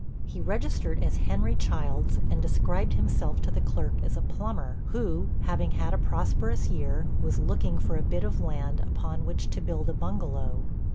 He registered as Henry Childs, and described himself to the clerk as a plumber, who, having had a prosperous year, was looking for a bit of land upon which to build a bungalow.